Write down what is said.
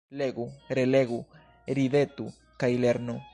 Legu, relegu, ridetu kaj lernu.